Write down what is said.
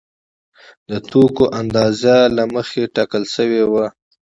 د توکو اندازه له مخکې ټاکل شوې وه